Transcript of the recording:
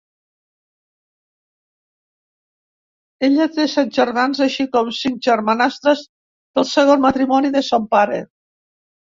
Ella té set germans, així com cinc germanastres del segon matrimoni de son pare.